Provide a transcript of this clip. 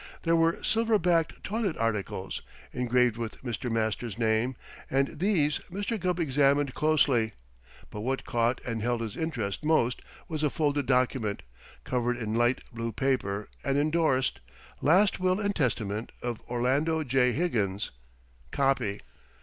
There were silver backed toilet articles, engraved with Mr. Master's name, and these Mr. Gubb examined closely, but what caught and held his interest most was a folded document, covered in light blue paper and endorsed, "Last Will and Testament of Orlando J. Higgins. Copy."